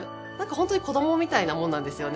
ホントに子どもみたいなもんなんですよね